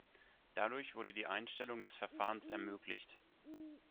Dadurch wurde die Einstellung des Verfahrens ermöglicht.